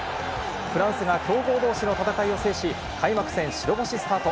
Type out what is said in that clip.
フランスが強豪どうしの戦いを制し、開幕戦白星スタート。